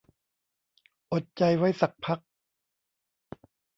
อดใจไว้สักพัก